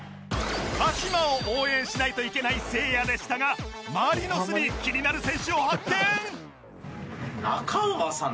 鹿島を応援しないといけないせいやでしたがマリノスに気になる選手を発見